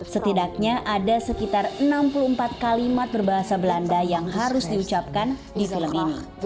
setidaknya ada sekitar enam puluh empat kalimat berbahasa belanda yang harus diucapkan di film ini